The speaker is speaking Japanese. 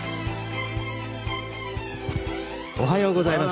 おはようございます。